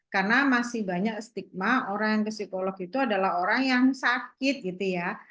karena masih banyak stigma orang yang ke psikolog itu adalah orang yang sakit gitu ya